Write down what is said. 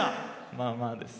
まあまあです。